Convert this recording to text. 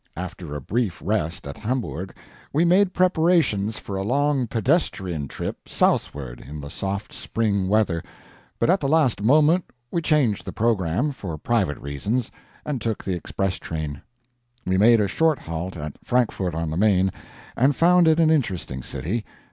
After a brief rest at Hamburg, we made preparations for a long pedestrian trip southward in the soft spring weather, but at the last moment we changed the program, for private reasons, and took the express train. We made a short halt at Frankfort on the Main, and found it an interesting city.